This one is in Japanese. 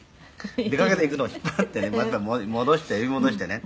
「出かけて行くのを引っ張ってねまた戻して呼び戻してね」